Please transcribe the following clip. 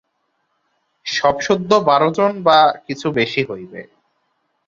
সবসুদ্ধ বার জন বা কিছু বেশী হইবে।